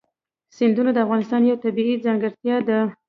سیندونه د افغانستان یوه طبیعي ځانګړتیا ده.